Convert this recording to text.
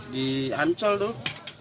di ancol tuh